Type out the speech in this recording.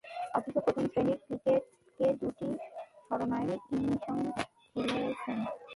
অথচ, প্রথম-শ্রেণীর ক্রিকেটে দুইটি শতরানের ইনিংস খেলেছেন।